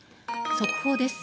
速報です。